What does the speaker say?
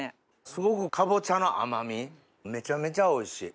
すごくかぼちゃの甘みめちゃめちゃおいしい。